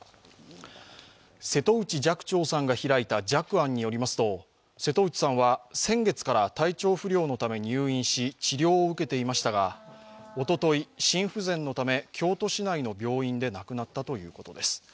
瀬戸内寂聴さんが開いた寂庵によりますと、瀬戸内さんは先月から体調不良のため入院し治療を受けていましたが、おととい、心不全のため、京都市内の病院で亡くなったということです。